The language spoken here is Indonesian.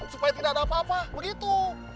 supaya tidak ada apa apa begitu